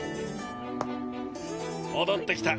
戻ってきた。